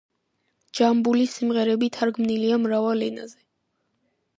ჯამბულის სიმღერები თარგმნილია მრავალ ენაზე.